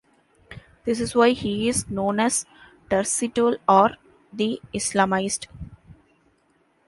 This is why he is known as "Turcitul" or "the Islamized".